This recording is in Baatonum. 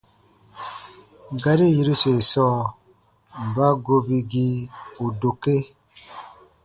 Gari yiruse sɔɔ: mba gobigii u dokee?